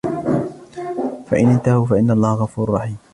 فَإِنِ انْتَهَوْا فَإِنَّ اللَّهَ غَفُورٌ رَحِيمٌ